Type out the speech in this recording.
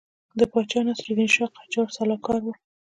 د پاچا ناصرالدین شاه قاجار سلاکار وو.